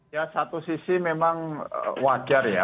ya satu sisi memang wajar ya